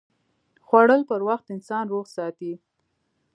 خوړل پر وخت انسان روغ ساتي